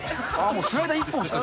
スライダー一本ですか？